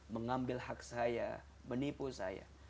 mengambil hak saya menipu saya